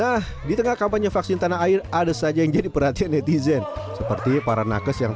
nah di tengah kampanye vaksin tanah air ada saja yang jadi perhatian netizen seperti para nakes yang